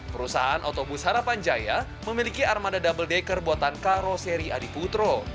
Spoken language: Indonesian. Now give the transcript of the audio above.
perusahaan otobus harapan jaya memiliki armada double decker buatan karo seri adiputro